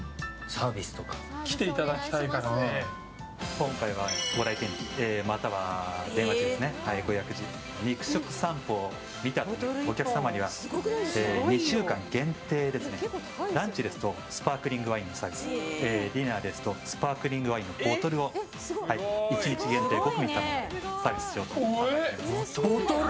今回はご来店または電話でご予約時「肉食さんぽを見た」と言うお客様には２週間限定で、ランチですとスパークリングワインのサービスディナーですとスパークリングワインのボトルを１日限定５組様サービスしたいと思います。